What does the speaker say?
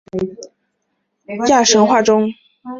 这种生物后来被吸纳入伊特鲁里亚神话中。